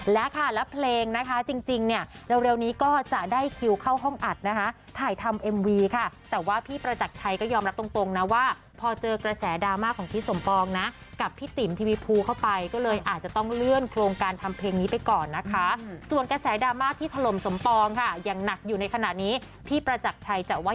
และค่ะแล้วเพลงนะคะจริงเนี่ยเร็วนี้ก็จะได้คิวเข้าห้องอัดนะคะถ่ายทำเอ็มวีค่ะแต่ว่าพี่ประจักรชัยก็ยอมรับตรงนะว่าพอเจอกระแสดราม่าของพี่สมปองนะกับพี่ติ๋มทีวีภูเข้าไปก็เลยอาจจะต้องเลื่อนโครงการทำเพลงนี้ไปก่อนนะคะส่วนกระแสดราม่าที่ถล่มสมปองค่ะอย่างหนักอยู่ในขณะนี้พี่ประจักรชัยจะว่า